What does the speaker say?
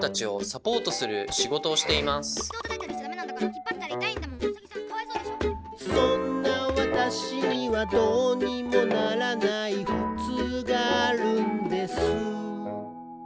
「そんな私には、どうにもならないふつうがあるんです」